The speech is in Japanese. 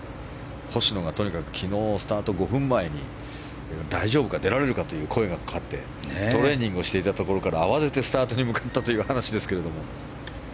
星野がとにかく昨日スタート５分前に大丈夫か、出られるかという声がかかってトレーニングしていたところから慌ててスタートに向かったという話ですけれども。